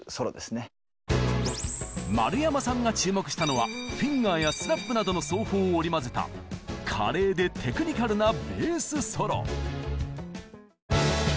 丸山さんが注目したのはフィンガーやスラップなどの奏法を織り交ぜた華麗でテクニカルなベースソロ！